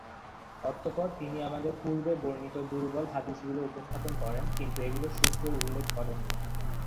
অতঃপর তিনি আমাদের পূর্বে বর্ণিত দুর্বল হাদীসগুলো উপস্থাপন করেন কিন্তু এগুলোর সূত্র উল্লেখ করেননি।